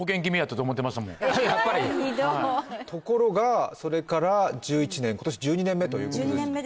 ひどいところがそれから１１年今年１２年目ということです